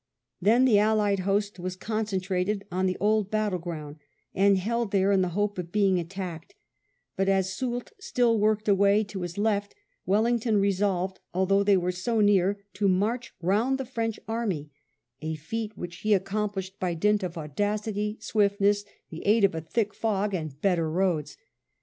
Then the Allied host was concentrated on the old battle ground and held there in the hope of being attacked ; but as Soult still worked away to his left, Wellington resolved, although they were so near, to march round the French army, a feat which he accomplished by dint of audacity, VIII RETREATS ON PORTUGAL 173 swiftness, the aid of a thick fog, and better roads.